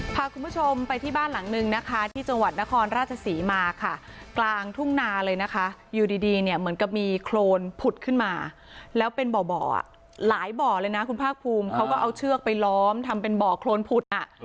พาคุณผู้ชมไปที่บ้านหลังนึงนะคะที่จังหวัดนครราชศรีมาค่ะกลางทุ่งนาเลยนะคะอยู่ดีเนี่ยเหมือนกับมีโครนผุดขึ้นมาแล้วเป็นบ่อหลายบ่อเลยนะคุณภาคภูมิเขาก็เอาเชือกไปล้อมทำเป็นบ่อโครนผุดอ่ะ